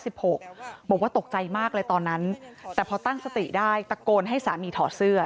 บอกว่าตกใจมากเลยตอนนั้นแต่พอตั้งสติได้ตะโกนให้สามีถอดเสื้อ